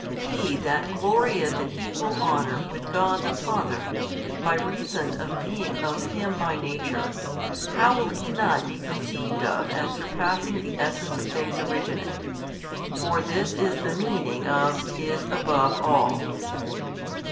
He That glorieth in equal honour with God the Father, by reason of being of Him by Nature, how will He not be conceived of as surpassing the essence of things originate? for this is the meaning of is above all.